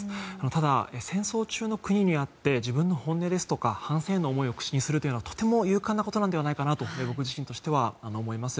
ただ、戦争中の国にあって自分の本音ですとか反戦への思いを口にするということはとても勇敢なことではないかと思います。